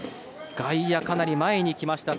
外野、かなり前に来ました